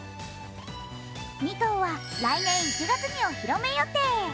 ２頭は来年１月にお披露目予定。